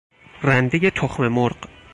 رنده تخم مرغ